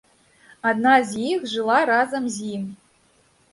Адна з іх жыла разам з ім.